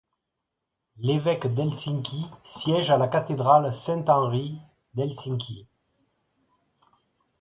L'évêque d'Helsinki siège à la Cathédrale Saint-Henri d'Helsinki.